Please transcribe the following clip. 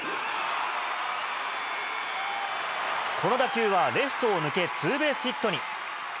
この打球はレフトを抜け、ツーベースヒットに。